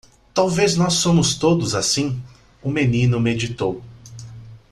Talvez nós somos todos assim? o menino meditou.